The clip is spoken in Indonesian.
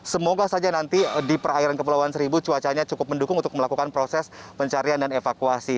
semoga saja nanti di perairan kepulauan seribu cuacanya cukup mendukung untuk melakukan proses pencarian dan evakuasi